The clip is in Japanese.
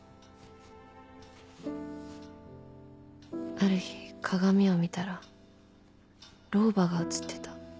ある日鏡を見たら老婆が映ってた。